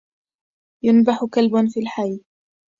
ينبح كلب في الحي.